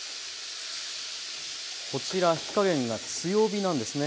こちら火加減が強火なんですね。